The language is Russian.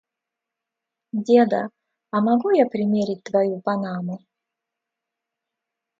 Деда, а могу я примерить твою панаму?